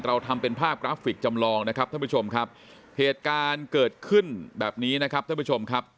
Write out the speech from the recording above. เราทำเป็นภาพกราฟฟิกส์จำลองนะครับผู้ชมครับเหตุการณ์เกิดขึ้นแบบนี้นะครับ